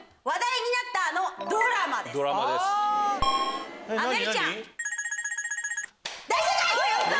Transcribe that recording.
話題になった何？